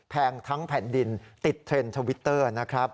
แพงทั้งแผ่นดินติดเทรนด์ทวิตเตอร์นะครับ